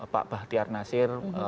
pak bahtiar nasir